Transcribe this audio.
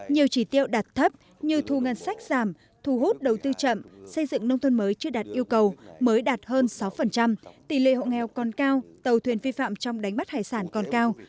nhiều chỉ tiêu đạt thấp như thu ngân sách giảm thu hút đầu tư chậm xây dựng nông thôn mới chưa đạt yêu cầu mới đạt hơn sáu tỷ lệ hộ nghèo còn cao tàu thuyền vi phạm trong đánh bắt hải sản còn cao